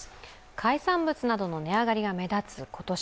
海産物などの値上がりが目立つ今年。